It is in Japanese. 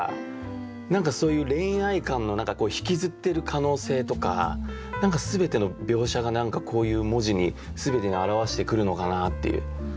何かそういう恋愛観の引きずってる可能性とか全ての描写がこういう文字に全てに表してくるのかなっていう。